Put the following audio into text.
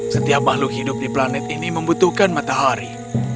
setiap makhluk hidup di planet ini membutuhkan matahari